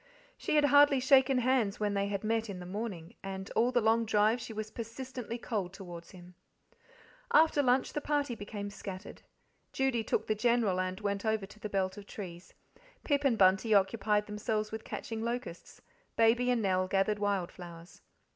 She had hardly shaken hands when they had met in the morning, and all the long drive she was persistently cold towards him. After lunch the party became scattered. Judy took the General and went over to the belt of trees; Pip and Bunty occupied themselves with catching locusts; Baby and Nell gathered wild flowers.